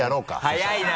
早いな！